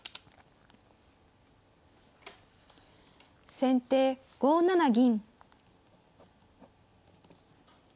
先手５七銀。